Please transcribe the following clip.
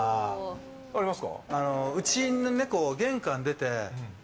あります？